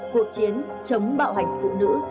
cuộc chiến chống bạo hành phụ nữ